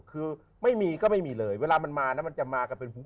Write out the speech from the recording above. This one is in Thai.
คือไม่มีก็ไม่มีเลยเวลามันมานะมันจะมากันเป็นฝุง